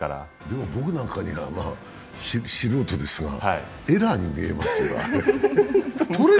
でも、僕なんかは素人ですがエラーに見えますよ、あれ。